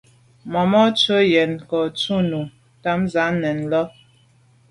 Màmá à’ tswə́ yə́n kɔ̌ shúnì támzə̄ à nɛ̌n lá’.